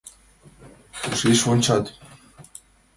Кушеч вончат?